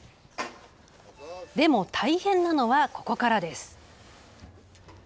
でも、大変なのはここからです。